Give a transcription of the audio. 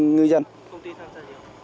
công ty tham gia nhiều không